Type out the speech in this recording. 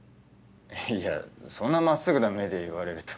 いやそんなまっすぐな目で言われると。